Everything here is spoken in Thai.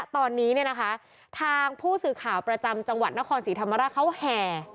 ทางผู้สื่อข่าวประจำจังหวัดนครศรีธรรมราชเขาแหบ